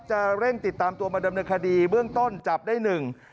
จะเร่งติดตามตัวมาดำเนินคดีเบื้องต้นจับได้หนึ่ง